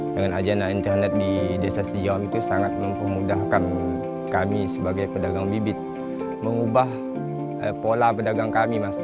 dengan ajana internet di desa sejauh itu sangat mempermudahkan kami sebagai pedagang bibit mengubah pola pedagang kami mas